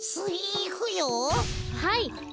はい。